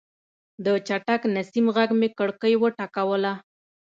د چټک نسیم غږ مې کړکۍ وټکوله.